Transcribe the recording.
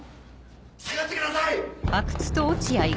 ・下がってください！